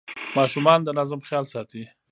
ماشومان د نظم خیال ساتي.